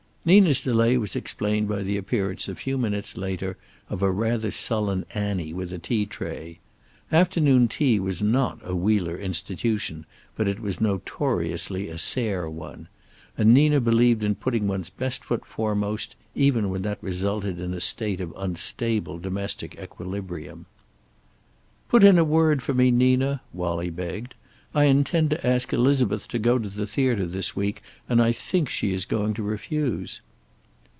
Nina's delay was explained by the appearance, a few minutes later, of a rather sullen Annie with a tea tray. Afternoon tea was not a Wheeler institution, but was notoriously a Sayre one. And Nina believed in putting one's best foot foremost, even when that resulted in a state of unstable domestic equilibrium. "Put in a word for me, Nina," Wallie begged. "I intend to ask Elizabeth to go to the theater this week, and I think she is going to refuse."